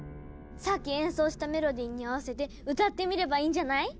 さっき演奏したメロディーに合わせて歌ってみればいいんじゃない？